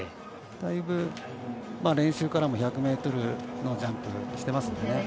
だいぶ、練習からも１００ｍのジャンプしてますので。